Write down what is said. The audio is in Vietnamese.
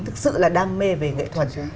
thực sự là đam mê về nghệ thuật